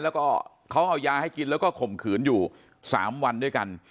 แล้วก็เขาเอายาให้กินแล้วก็ข่มขืนอยู่๓วันด้วยกัน